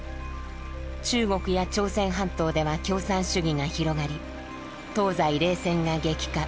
中国や朝鮮半島では共産主義が広がり東西冷戦が激化。